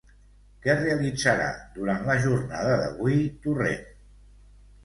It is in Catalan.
Què realitzarà, durant la jornada d'avui, Torrent?